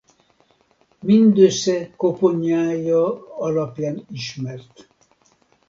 Mindössze koponyája alapján ismert.